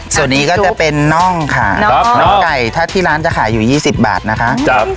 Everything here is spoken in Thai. ส่วนนี้ก็จะเป็นน่องค่ะน่องไก่ถ้าที่ร้านจะขายอยู่๒๐บาทนะคะ